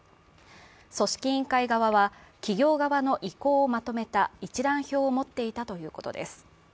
組織委員会側は企業側の意向をまとめた一覧表を持っていたということです。